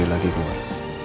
tiga hari lagi keluar